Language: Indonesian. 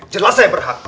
jelas saya berhak